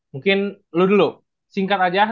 mungkin lu dulu singkat aja